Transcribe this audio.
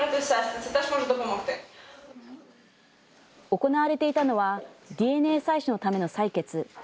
行われていたのは、ＤＮＡ採取のための採血。